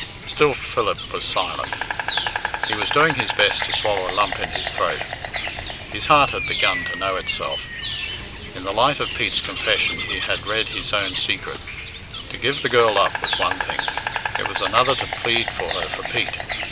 Still Philip was silent. He was doing his best to swallow a lump in his throat. His heart had begun to know itself. In the light of Pete's confession he had read his own secret. To give the girl up was one thing; it was another to plead for her for Pete.